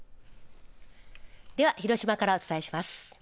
では広島からお伝えします。